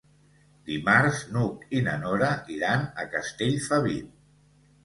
Dimarts n'Hug i na Nora iran a Castellfabib.